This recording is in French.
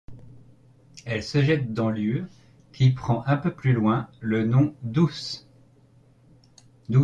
Elle se jette dans l'Ure, qui prend un peu plus loin le nom d'Ouse.